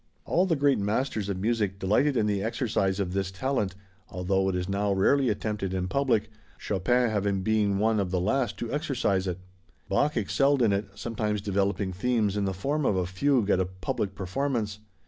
All the great masters of music delighted in the exercise of this talent, although it is now rarely attempted in public, Chopin having been one of the last to exercise it. Bach excelled in it, sometimes developing themes in the form of a fugue at a public performance.